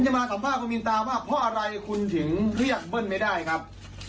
มาสัมภาษณ์คุณมินตาว่าเพราะอะไรคุณถึงเรียกเบิ้ลไม่ได้ครับ